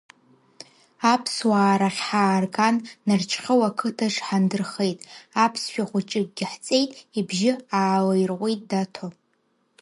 Аԥсуаа рахь ҳаарган, Нарџьхьоу ақыҭаҿ ҳандырхеит, аԥсшәа хәыҷыкгьы ҳҵеит, ибжьы аалаирҟәит Даҭо.